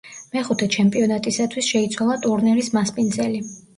მეხუთე ჩემპიონატისათვის შეიცვალა ტურნირის მასპინძელი.